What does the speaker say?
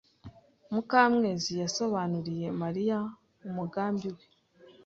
Mukamwezi yasobanuriye Mariya umugambi we.